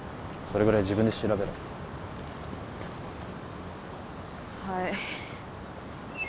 それぐらい自分で調べろはい